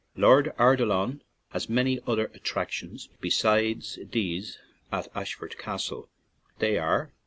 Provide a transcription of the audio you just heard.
Lord Ardilaun has many other attractions besides these at Ashford Cas tle — i. e.